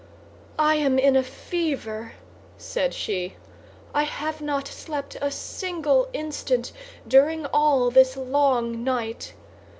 "I am in a fever," said she; "I have not slept a single instant during all this long night.